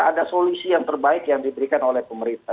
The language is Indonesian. ada solusi yang terbaik yang diberikan oleh pemerintah